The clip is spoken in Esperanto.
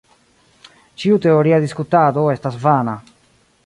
Ĉiu teoria diskutado estas vana.